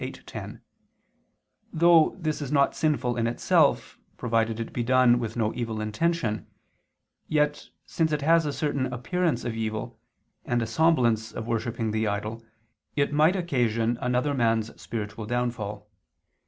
8:10), though this is not sinful in itself, provided it be done with no evil intention, yet, since it has a certain appearance of evil, and a semblance of worshipping the idol, it might occasion another man's spiritual downfall.